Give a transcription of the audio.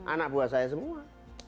anak buah saya semua